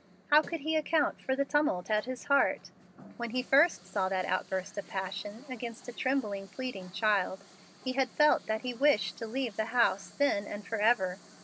How could he account for the tumult at his heart? When he first saw that outburst of passion against a trembling, pleading child, he felt that he wished to leave the house then and forever.